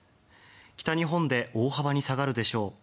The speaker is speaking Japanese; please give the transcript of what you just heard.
北日本で大幅に下がるでしょう。